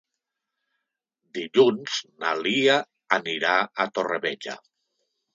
Dilluns na Lia anirà a Torrevella.